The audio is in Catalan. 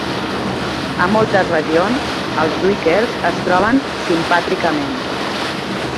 A moltes regions, els duiquers es troben simpàtricament.